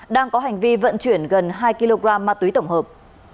đang có hành vi vận chuyển gần hai kg ma túy tổng hợp